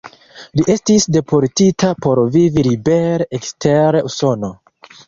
Li estis deportita por vivi libere ekster Usono.